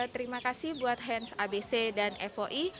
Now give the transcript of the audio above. terima kasih buat hands abc dan foi